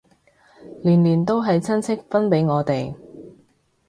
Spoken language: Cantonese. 年年都係親戚分俾我哋